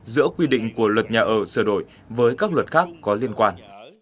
giữa quy định của luật nhà ở sửa đổi với các luật khác có liên quan